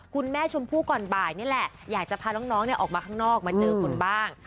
คุณแม่ชมพู่ก่อนบ่ายนี่แหละอยากจะพาน้องออกมาข้างนอกมาเจอคุณบ้าง